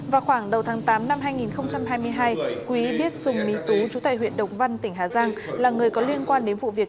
vào khoảng đầu tháng tám năm hai nghìn hai mươi hai quý biết sùng mí tú chú tại huyện đồng văn tỉnh hà giang là người có liên quan đến vụ việc